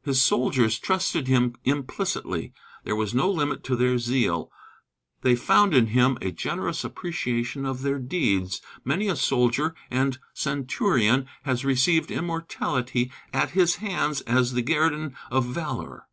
His soldiers trusted him implicitly; there was no limit to their zeal. They found in him a generous appreciation of their deeds. Many a soldier and centurion has received immortality at his hands as the guerdon of valor.